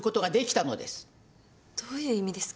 どういう意味ですか？